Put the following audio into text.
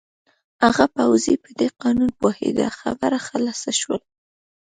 هغه پوځي په دې قانون پوهېده، خبره خلاصه شول.